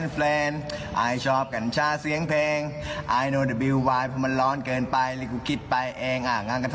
เพราะวันนี้ภูมิคุณร้อยภูมิคุณร้อย